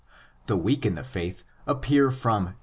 The weak in the faith appear from xiv.